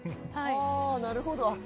はぁなるほど。